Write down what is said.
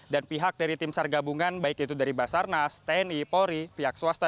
dan pihak dari tim sar gabungan baik itu dari basarnas tni polri pihak swasta